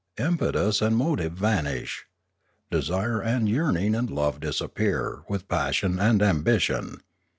Impetus and motive vanish. Desire and yearning and love disappear with passion and ambition.